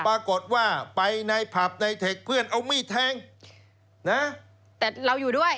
ปรากฏว่าไปในผับในเทคเพื่อนเอามีดแทงนะแต่เราอยู่ด้วย